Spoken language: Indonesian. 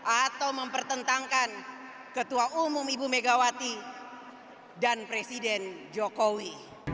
atau mempertentangkan ketua umum ibu megawati dan presiden jokowi